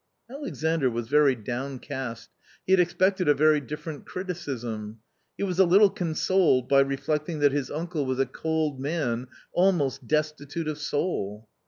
Alexandr was very downcast. He had expected a very different criticism. He was a little consoled by reflecting that his uncle was a cold man almost'destitute of soul.